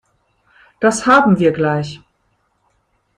Das haben wir gleich.